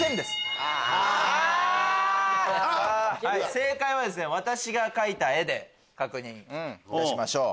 正解は私が描いた絵で確認いたしましょう。